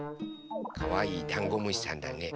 かわいいダンゴムシさんだね。